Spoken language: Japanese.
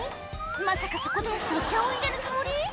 まさかそこでお茶を入れるつもり？